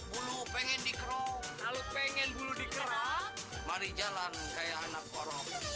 bulu pengen look kalau pengen bulu the track mari jalan kayak anak orang